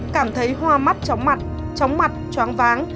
cảm thấy hoa mắt trống mặt trống mặt choáng váng